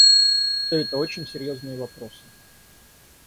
Все это очень серьезные вопросы.